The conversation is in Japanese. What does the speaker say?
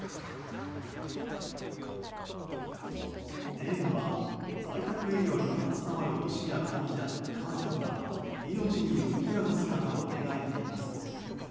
映画は在宅医療に携わる医師や患者、家族が命に向き合う姿を描いています。